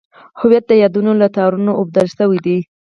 هویت د یادونو له تارونو اوبدل شوی دی.